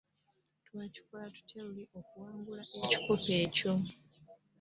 Twakikola tutya luli okuwangula ekikopo ekyo?